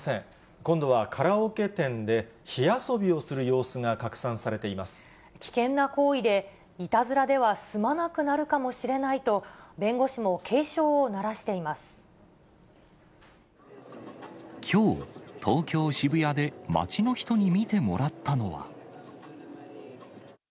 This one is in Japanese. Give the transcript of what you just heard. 今度はカラオケ店で、火遊びをす危険な行為で、いたずらでは済まなくなるかもしれないと、弁護士も警鐘を鳴らしきょう、東京・渋谷で街の人に見てもらったのは。